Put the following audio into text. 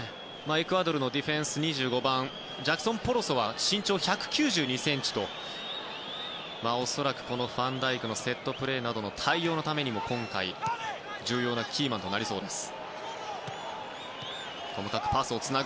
エクアドルのディフェンス２５番ジャクソン・ポロソは身長１９２ｃｍと恐らく、ファンダイクのセットプレーなどの対応のためにも今回、重要なキーマンとなりそうです。